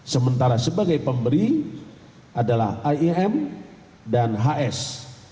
sementara sebagai pemberi adalah iem dan hs